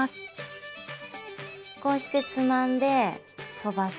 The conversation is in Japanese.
こうしてつまんで飛ばす。